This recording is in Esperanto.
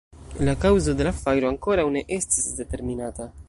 La kaŭzo de la fajro ankoraŭ ne estis determinita.